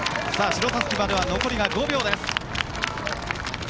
白たすきまでは残りが５秒です。